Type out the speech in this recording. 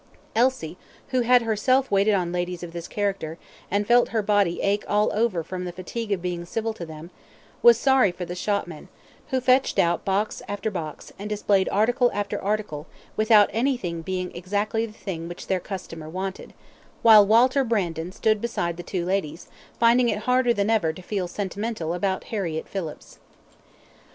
Elsie, who had herself waited on ladies of this character, and felt her body ache all over from the fatigue of being civil to them, was sorry for the shopmen, who fetched out box after box, and displayed article after article, without anything being exactly the thing which their customer wanted; while Walter Brandon stood beside the two ladies, finding it harder than ever to feel sentimental about Harriett Phillips.